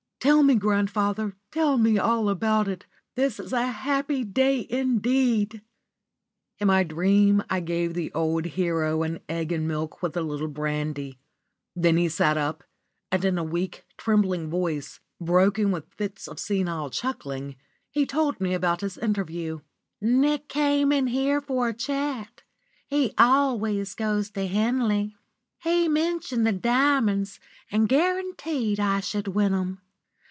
"Tell me, grandfather, tell me all about it. This is a happy day indeed!" In my dream I gave the old hero an egg and milk with a little brandy. Then he sat up, and in a weak, trembling voice, broken with fits of senile chuckling, he told me about his interview. "Nick came in just for a chat. He always goes to Henley. He mentioned the 'Diamonds,' and guaranteed I should win 'em.